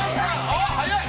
あっ速い！